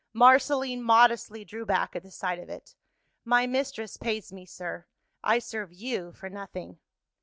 Marceline modestly drew back at the sight of it. "My mistress pays me, sir; I serve you for nothing."